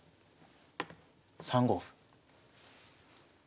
３五歩。